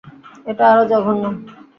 এটা আরো জঘন্য।